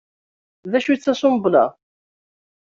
D acu-tt Assembla?